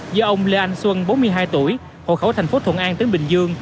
do ông lê anh xuân bốn mươi hai tuổi hồ khẩu thành phố thuận an tính bình dương